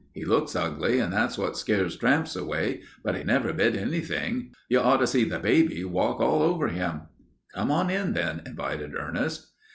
He looks ugly and that's what scares tramps away, but he never bit anything. You ought to see the baby walk all over him." "Come on in, then," invited Ernest.